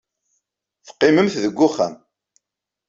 Teqqimemt deg wexxam.